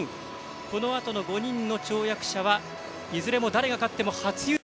このあとの５人の跳躍者はいずれも誰が勝っても初優勝。